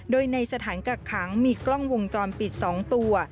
โดยในสถานกักขังมีกล้องวงจรปิด๒ตัว